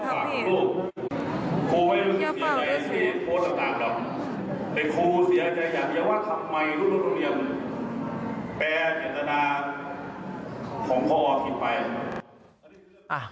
คำใหม่รุ่นรุ่นโรงเรียนแปรเจตนาของคออธิตรไป